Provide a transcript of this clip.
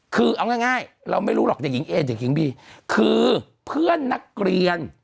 คือเอาง่ายเราไม่รู้หรอกเด็กหญิงเอเด็กหญิงบีคือเพื่อนนักเรียน